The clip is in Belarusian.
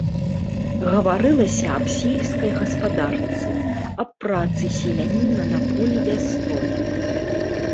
Гаварылася аб сельскай гаспадарцы, аб працы селяніна на полі вясной.